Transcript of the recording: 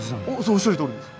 おっしゃるとおりです。